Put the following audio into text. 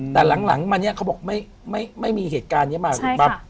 แต่หลังมาเนี่ยเขาบอกไม่มีเหตุการณ์นี้มา